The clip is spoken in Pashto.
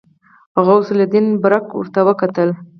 غوث الدين برګ ورته وکتل.